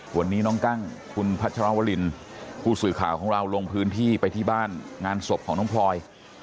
วันนี้น้องกั้งคุณพัชรวรินผู้สื่อข่าวของเราลงพื้นที่ไปที่บ้านงานศพของน้องพลอย